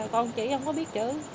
còn chị không có biết chữ